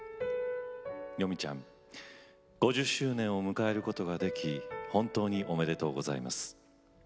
よみちゃん５０周年を迎えることができ本当におめでとうございます。